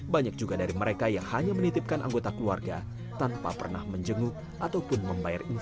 banyak juga dari mereka yang hanya menitipkan anggota keluarga tanpa pernah menjenguk ataupun membayar